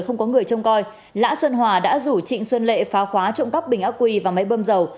không có người trông coi lã xuân hòa đã rủ trịnh xuân lệ phá khóa trộm cắp bình ác quy và máy bơm dầu